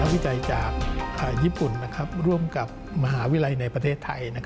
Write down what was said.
วิจัยจากญี่ปุ่นร่วมกับมหาวิทยาลัยในประเทศไทย